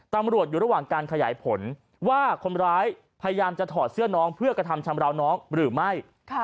ตำรวจอยู่ระหว่างการขยายผลว่าคนร้ายพยายามจะถอดเสื้อน้องเพื่อกระทำชำราวน้องหรือไม่